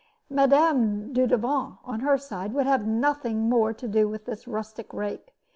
Mme. Dudevant, on her side, would have nothing more to do with this rustic rake.